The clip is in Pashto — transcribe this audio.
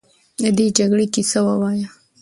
د دې جګړې کیسه ووایه.